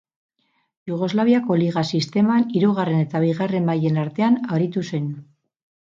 Jugoslaviako Liga sisteman hirugarren eta bigarren mailen artean aritu zen.